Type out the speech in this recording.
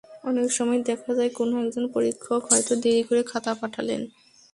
অনেক সময় দেখা যায়, কোনো একজন পরীক্ষক হয়তো দেরি করে খাতা পাঠালেন।